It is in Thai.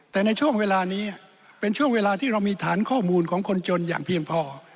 แต่ในช่วงเวลานี้เป็นช่วงเวลาที่เรามีฐานข้อมูลของคนจนอย่างเพียงพอ